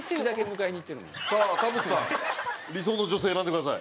さあ田渕さん理想の女性選んでください。